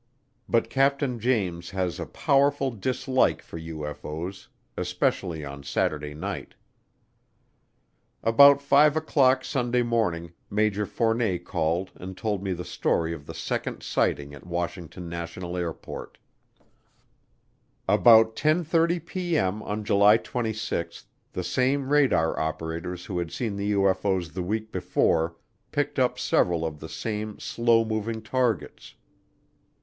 But Captain James has a powerful dislike for UFO's especially on Saturday night. About five o'clock Sunday morning Major Fournet called and told me the story of the second sighting at Washington National Airport: About 10:30P.M. on July 26 the same radar operators who had seen the UFO's the week before picked up several of the same slow moving targets.